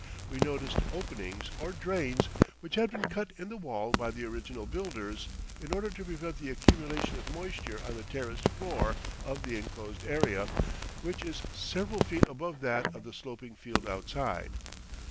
We noticed openings or drains which had been cut in the wall by the original builders in order to prevent the accumulation of moisture on the terraced floor of the enclosed area, which is several feet above that of the sloping field outside.